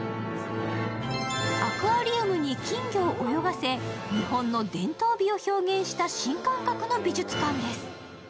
アクアリウムに金魚を泳がせ、日本の伝統美を表現した新感覚の美術館です。